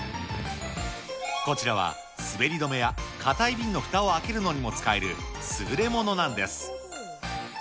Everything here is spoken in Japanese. こちらは、滑り止めやかたい瓶のふたを開けるのにも使える優れものなんです。